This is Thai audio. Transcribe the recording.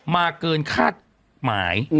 มาเกินคาดหมาย